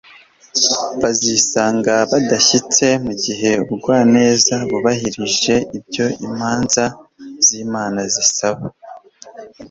bazisanga badashyitse, mu gihe abagwaneza bubahirije ibyo imanza z'imana zisaba